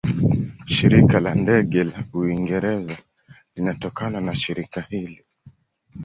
Shirika la Ndege la Uingereza linatokana na shirika hili.